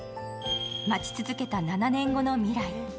待ち続けた７年後の未来。